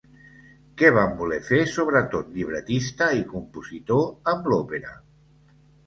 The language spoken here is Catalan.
Què van voler fer sobretot llibretista i compositor amb l'òpera?